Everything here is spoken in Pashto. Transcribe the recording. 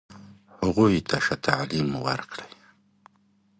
هغوی ته ښه تعلیم ورکړئ.